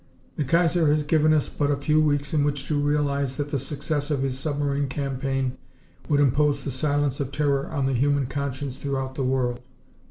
"The Kaiser had given us but a few weeks in which to realize that the success of his submarine campaign would impose the silence of terror on the human conscience throughout the world.